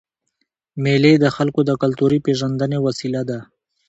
مېلې د خلکو د کلتوري پېژندني وسیله ده.